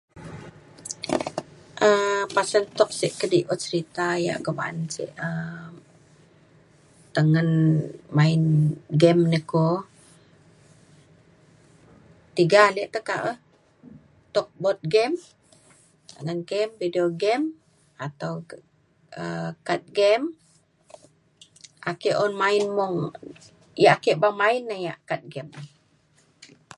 um pasen tuk sek kediut serita yak ko ba’an sek um tengen main game ne ko tiga ale tekak e. tuk board game ngan game video atau ke- um card game ake un main mung. yak ake beng main na yak card game.